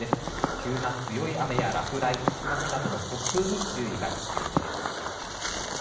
急な強い雨や落雷、竜巻などの突風に注意が必要です。